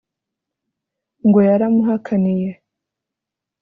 ngo yaramuhakaniye